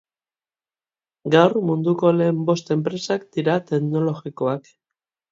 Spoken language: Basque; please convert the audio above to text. Gaur munduko lehen bost enpresak dira teknologikoak.